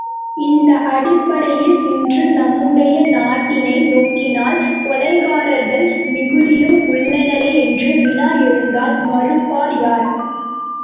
இந்த அடிப்படையில் இன்று நம்முடைய நாட்டினை நோக்கினால் கொலைகாரர்கள் மிகுதியும் உள்ளனரோ என்று வினா எழுந்தால் மறுப்பார் யார்?